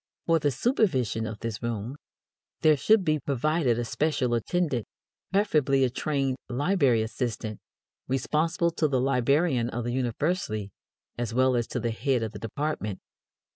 For the supervision of this room, there should be provided a special attendant, preferably a trained library assistant, responsible to the librarian of the university as well as to the head of the department.